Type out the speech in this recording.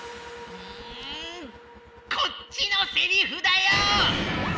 んこっちのセリフだよ！